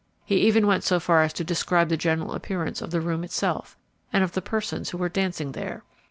He even went so far as to describe the general appearance of the room itself, and of the persons who were dancing there."